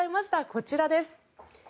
こちらです。